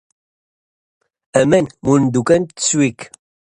Het stromende water kabbelde door de straten.